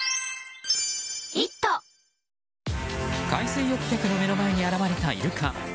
海水浴客の目の前に現れたイルカ。